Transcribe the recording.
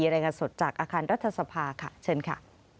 รายงานสดจากอาคารรัฐสภาค่ะเชิญค่ะ